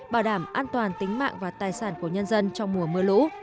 bảo đảm an toàn tính mạng và tài sản của nhân dân trong mùa mưa lũ